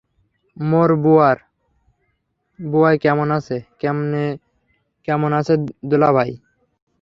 মোর বুয়ায় কেমন আছে, কেমন আছে দুলাবাই?